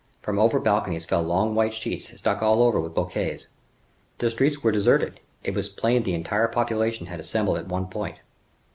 From over balconies fell long white sheets stuck all over with bouquets. The streets were deserted; it was plain the entire population was assembled on one point.